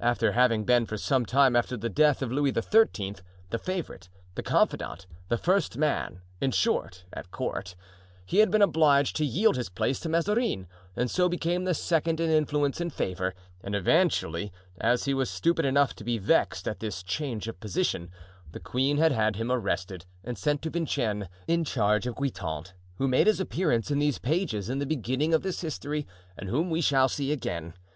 After having been for some time after the death of Louis XIII. the favorite, the confidant, the first man, in short, at the court, he had been obliged to yield his place to Mazarin and so became the second in influence and favor; and eventually, as he was stupid enough to be vexed at this change of position, the queen had had him arrested and sent to Vincennes in charge of Guitant, who made his appearance in these pages in the beginning of this history and whom we shall see again.